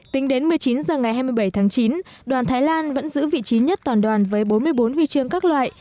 tính đến một mươi chín h ngày hai mươi bảy tháng chín đoàn thái lan vẫn giữ vị trí nhất toàn đoàn với bốn mươi bốn huy chương các loại